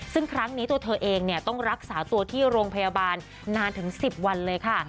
ซึ่งครั้งนี้ตัวเธอเองต้องรักษาตัวที่โรงพยาบาลนานถึง๑๐วันเลยค่ะ